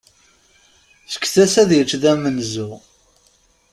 Fket-as ad yečč d amenzu.